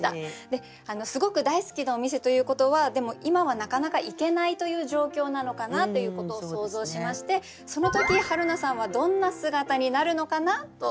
ですごく大好きなお店ということはでも今はなかなか行けないという状況なのかなということを想像しましてその時はるなさんはどんな姿になるのかなと。